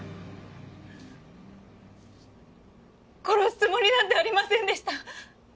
殺すつもりなんてありませんでした。